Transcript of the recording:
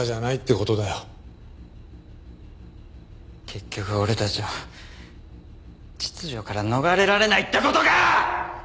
結局俺たちは秩序から逃れられないって事か！